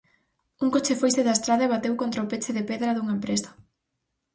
Un coche foise da estrada e bateu contra o peche de pedra dunha empresa.